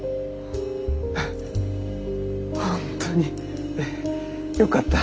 本当によかった。